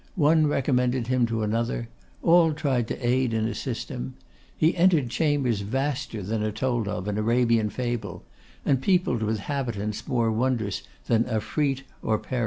One recommended him to another; all tried to aid and assist him. He entered chambers vaster than are told of in Arabian fable, and peopled with habitants more wondrous than Afrite or Peri.